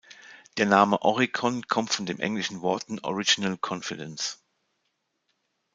Der Name Oricon kommt von den englischen Worten „Original Confidence“.